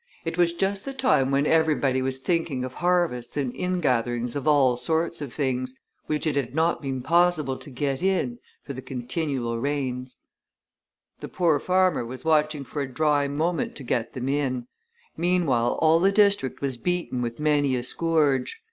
It was just the time when everybody was thinking of harvests and ingatherings of all sorts of things, which it had not been possible to get in for the continual rains; the poor farmer was watching for a dry moment to get them in; meanwhile all the district was beaten with many a scourge.